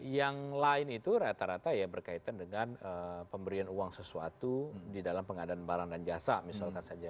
yang lain itu rata rata ya berkaitan dengan pemberian uang sesuatu di dalam pengadaan barang dan jasa misalkan saja